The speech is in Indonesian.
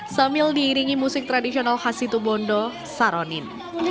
sambil diiringi musik tradisional khas situ bondo saronin